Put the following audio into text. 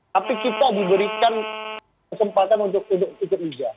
tapi kita diberikan kesempatan untuk hidup hija